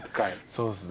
そうですね。